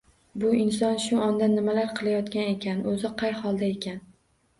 Bu inson shu onda nimalar qilayotgan ekan, o'zi qay holda ekan?